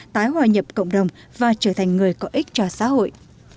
tái hòa nhập cộng đồng và trở thành người có ích cho xã hội